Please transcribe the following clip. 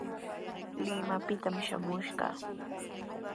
Limapitami shamuskii.